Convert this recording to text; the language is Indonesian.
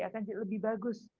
akan jadi lebih bagus